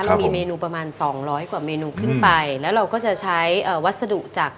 เรามีเมนูประมาณสองร้อยกว่าเมนูขึ้นไปแล้วเราก็จะใช้วัสดุจากต่างชาติ